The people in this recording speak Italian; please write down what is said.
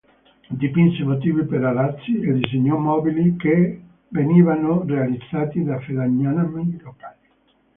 Dipinse motivi per arazzi e disegnò mobili che venivano realizzati da falegnami locali.